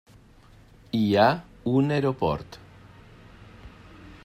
Hi ha un aeroport.